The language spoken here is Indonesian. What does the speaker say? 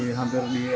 sampai negara chile